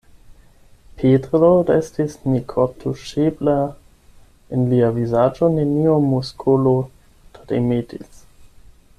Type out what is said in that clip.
Petro restis nekortuŝebla: en lia vizaĝo neniu muskolo tremetis.